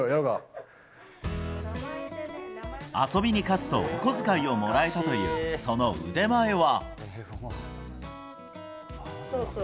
遊びに勝つと、お小遣いをもらえたというその腕前は。